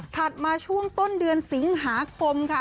มาช่วงต้นเดือนสิงหาคมค่ะ